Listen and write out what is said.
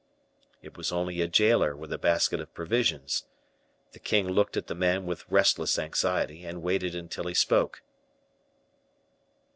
It was only a jailer with a basket of provisions. The king looked at the man with restless anxiety, and waited until he spoke.